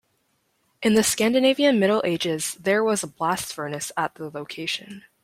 In the Scandinavian Middle Ages there was a blast furnace at the location.